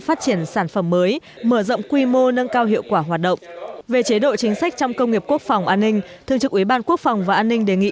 về chế độ chính sách trong công nghiệp quốc phòng an ninh thường trực ủy ban quốc phòng và an ninh đề nghị